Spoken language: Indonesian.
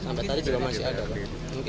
sampai tadi juga masih ada pak